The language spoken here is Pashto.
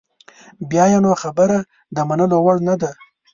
بیا یې نو خبره د منلو وړ نده.